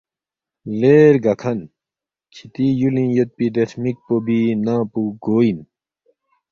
”لے رگاکھن کِھتی یُولِنگ یودپی دے ہرمِکپو بی ننگ پو گو اِن؟